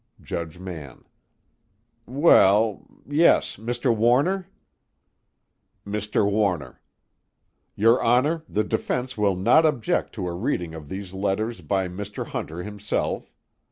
JUDGE MANN: Well ... Yes, Mr. Warner? MR. WARNER: Your Honor, the defense will not object to a reading of these letters by Mr. Hunter himself.